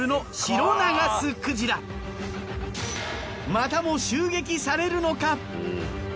またも襲撃されるのか？